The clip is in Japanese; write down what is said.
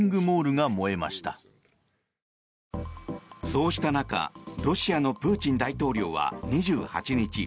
そうした中ロシアのプーチン大統領は２８日